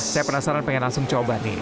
saya penasaran pengen langsung coba nih